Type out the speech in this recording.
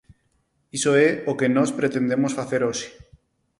Iso é o que nós pretendemos facer hoxe.